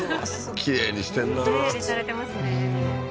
きれいにされてますね